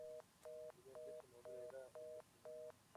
Anteriormente, su nombre era El Destino.